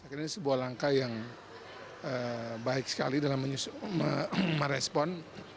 ini adalah langkah yang baik sekali dalam merespon